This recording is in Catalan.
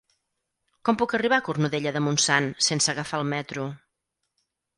Com puc arribar a Cornudella de Montsant sense agafar el metro?